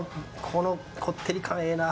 このこってり感ええな！